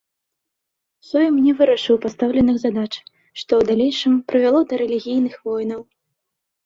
Сойм не вырашыў пастаўленых задач, што ў далейшым прывяло да рэлігійных войнаў.